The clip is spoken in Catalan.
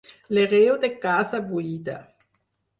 L'hereu de casa buida.